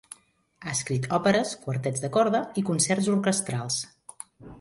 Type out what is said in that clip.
Ha escrit òperes, quartets de corda i concerts orquestrals.